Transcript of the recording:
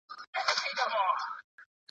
په تېرو کلونو کي د زغم کلتور ډېر کمزوری سوی و.